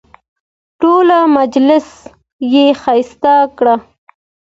ټول مجلس یې ښایسته کړ.